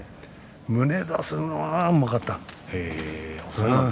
胸を出すのは多かった。